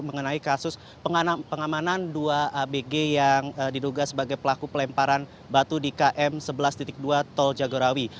mengenai kasus pengamanan dua abg yang diduga sebagai pelaku pelemparan batu di km sebelas dua tol jagorawi